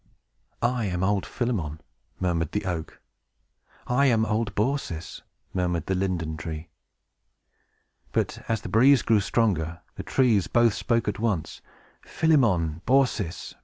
"I am old Philemon!" murmured the oak. "I am old Baucis!" murmured the linden tree. But, as the breeze grew stronger, the trees both spoke at once, "Philemon! Baucis!